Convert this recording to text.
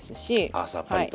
あさっぱりと。